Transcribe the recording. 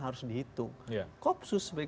harus dihitung kopsus sebagai